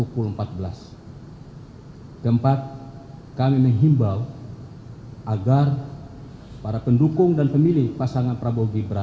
ketiga kami mengajak para pendukung dan pemilih pasangan prabowo gibran